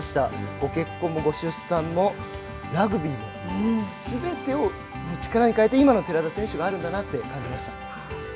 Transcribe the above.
ご結婚もご出産もラグビーもすべてを力に変えて今の寺田選手があるんだなと感じました。